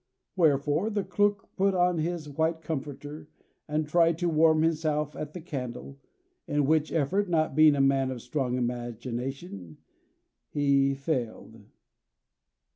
Wherefore the clerk put on his white comforter, and tried to warm himself at the candle; in which effort, not being a man of strong imagination, he failed.